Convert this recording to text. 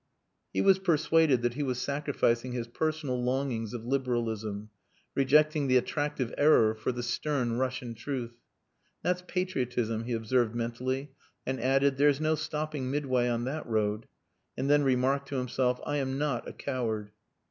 He was persuaded that he was sacrificing his personal longings of liberalism rejecting the attractive error for the stern Russian truth. "That's patriotism," he observed mentally, and added, "There's no stopping midway on that road," and then remarked to himself, "I am not a coward."